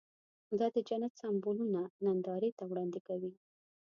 دا د جنت سمبولونه نندارې ته وړاندې کوي.